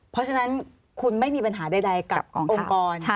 เพราะฉะนั้นคุณไม่มีปัญหาใดกับองค์กร